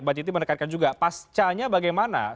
mbak titi menekankan juga pascanya bagaimana